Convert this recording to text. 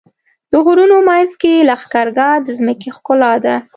د غرونو منځ کې لښکرګاه د ځمکې ښکلا ده.